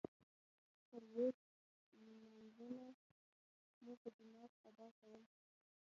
څلویښت لمانځونه مو په جماعت ادا کول.